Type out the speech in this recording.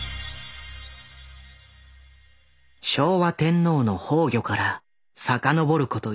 昭和天皇の崩御からさかのぼること